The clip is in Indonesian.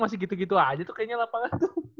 masih gitu gitu aja tuh kayaknya lapangan itu